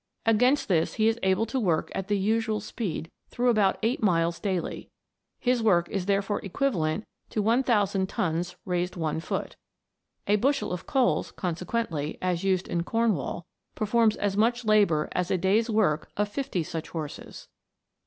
Against this he is able to work at the usual speed through about eight miles daily ; his work is therefore equi valent to 1000 tons raised one foot. A bushel of coals, consequently, as used in Cornwall, perfonns as much labour as a day's work of fifty such horses.